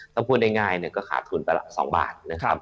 ถ้าพูดได้ง่ายก็ขาดทุนประมาณ๒บาท